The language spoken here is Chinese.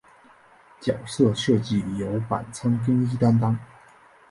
角色设计由板仓耕一担当。